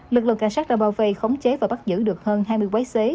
lực lượng cảnh sát đã bao vây khống chế và bắt giữ được hơn hai mươi quái xế